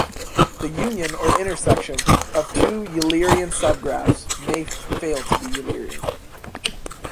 The union or intersection of two Eulerian subgraphs may fail to be Eulerian.